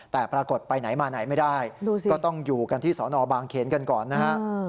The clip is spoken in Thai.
แต่ปรากฏไปไหนมาไหนไม่ได้ก็ต้องอยู่กันที่สอนอบางเขนกันก่อนนะฮะ